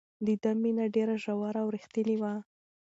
د ده مینه ډېره ژوره او رښتینې وه.